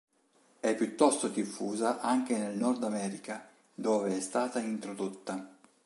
È piuttosto diffusa anche nel Nord America, dove è stata introdotta.